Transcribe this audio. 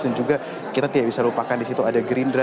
dan juga kita tidak bisa lupakan disitu ada gerindra